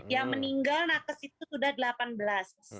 yang meninggal nakes itu sudah delapan belas